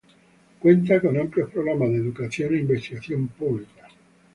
Cuenta con amplios programas de educación e investigación pública.